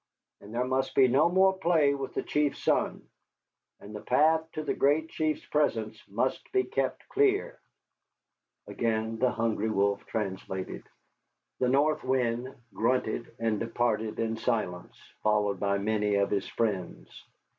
But there must be no more play with the Chief's son. And the path to the Great Chief's presence must be kept clear." Again the Hungry Wolf translated. The North Wind grunted and departed in silence, followed by many of his friends.